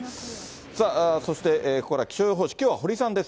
さあ、そしてここから気象予報士、きょうは堀さんです。